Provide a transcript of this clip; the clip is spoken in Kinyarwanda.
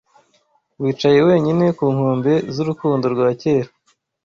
wicaye wenyine ku nkombe zurukundo rwa kera